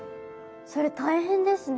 それ大変ですね。